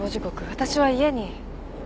私は家に。